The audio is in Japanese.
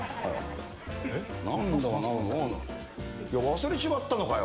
忘れちまったのかよ。